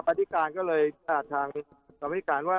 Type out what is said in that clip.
ปฏิการก็เลยปฏิการว่า